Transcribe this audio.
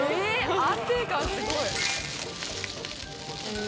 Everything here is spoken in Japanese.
安定感すごい。